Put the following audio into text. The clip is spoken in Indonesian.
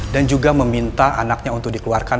dan juga meminta anaknya untuk dikeluarkan